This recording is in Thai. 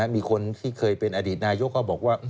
มีคนที่เคยเป็นอดีตนายกก็บอกว่า